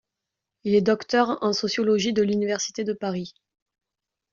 Il est Docteur en sociologie de l'Université de Paris.